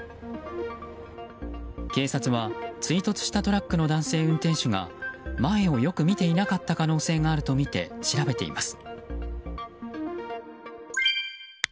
警察は追突したトラックの男性運転手が前をよく見ていなかった可能性があるとみて調べています。